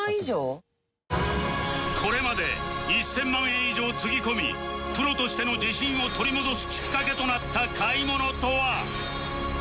これまで１０００万円以上つぎ込みプロとしての自信を取り戻すきっかけとなった買い物とは？